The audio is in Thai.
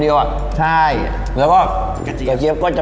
อร่อยเชียบแน่นอนครับอร่อยเชียบแน่นอนครับ